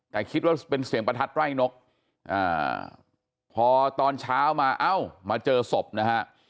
แต่คิดว่าเป็นเสียงประทัดไร่นกพอตอนเช้ามาเอ้ามาเจอศพนะฮะ